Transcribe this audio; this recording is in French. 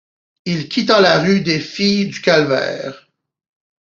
Il quitta la rue des Filles-du-Calvaire